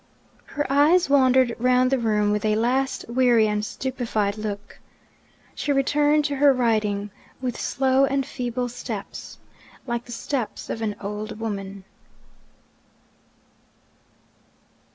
Her eyes wandered round the room with a last weary and stupefied look. She returned to her writing with slow and feeble steps, like the steps of an old woman.